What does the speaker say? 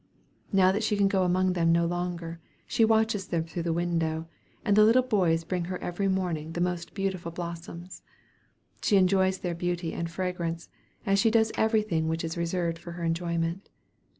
Now that she can go among them no longer, she watches them through the window, and the little boys bring her every morning the most beautiful blossoms. She enjoys their beauty and fragrance, as she does everything which is reserved for her enjoyment.